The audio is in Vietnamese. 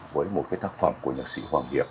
với một cái tác phẩm của nhạc sĩ hoàng hiệp